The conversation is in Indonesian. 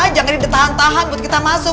jangan dia tahan tahan buat kita masuk